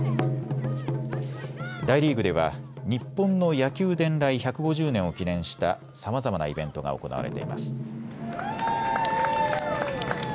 大リーグでは日本の野球伝来１５０年を記念したさまざまなイベントが行われています。